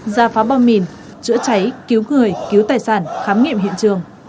gia phá bom mìn chữa cháy cứu người cứu tài sản khám nghiệm hiện trường